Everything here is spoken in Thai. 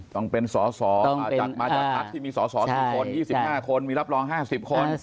ต้องเป็นสอสอมาจากมาจากพักที่มีสอสอ๔คน๒๕คนมีรับรอง๕๐คน